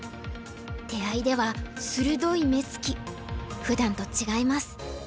手合では鋭い目つきふだんと違います。